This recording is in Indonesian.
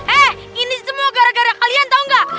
eh ini semua gara gara kalian tau nggak